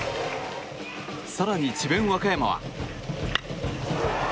更に智弁和歌山は。